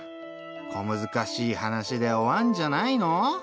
小難しい話で終わんじゃないの？